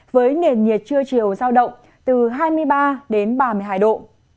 với nền nhiệt trưa chiều giao động từ hai mươi ba đến ba mươi hai độ